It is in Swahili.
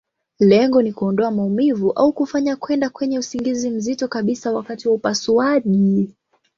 Lengo ni kuondoa maumivu, au kufanya kwenda kwenye usingizi mzito kabisa wakati wa upasuaji.